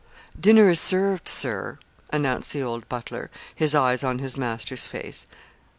"Dinner is served, sir," announced the old butler, his eyes on his master's face.